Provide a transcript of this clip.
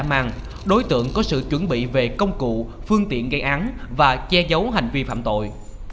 màn đối tượng có sự chuẩn bị về công cụ phương tiện gây án và che giấu hành vi phạm tội